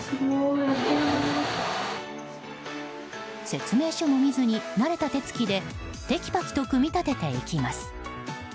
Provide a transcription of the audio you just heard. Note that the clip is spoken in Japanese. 説明書も見ずに慣れた手つきでテキパキと組み立てていきます。